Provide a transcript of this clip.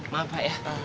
maaf pak ya